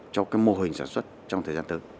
cho cái mô hình sản xuất trong thời gian tới